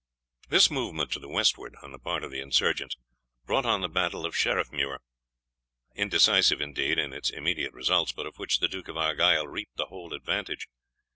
This movement to the westward, on the part of the insurgents, brought on the battle of Sheriffmuir indecisive, indeed, in its immediate results, but of which the Duke of Argyle reaped the whole advantage.